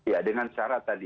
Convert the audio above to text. ya dengan syarat tadi